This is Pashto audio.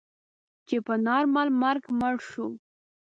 چې په نارمل مرګ مړ شو.